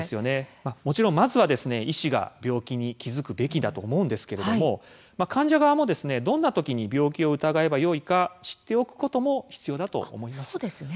もちろんまずは医師が病気に気付くべきだと思うんですが患者側もどんな時に病気を疑えばよいか知っておくことも必要だと思います。